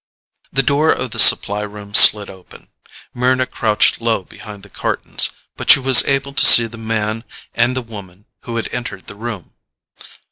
The door of the supply room slid open. Mryna crouched low behind the cartons, but she was able to see the man and the woman who had entered the room.